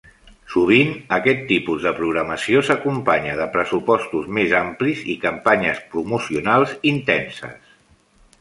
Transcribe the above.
Sovint, aquest tipus de programació s'acompanya de pressupostos més amplis i campanyes promocionals intenses.